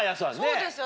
そうですよ